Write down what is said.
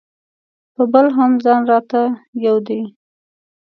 په بل هم ځان راته یو دی.